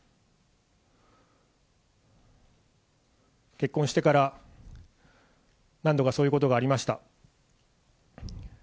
結婚してから何度かそういうことがありました。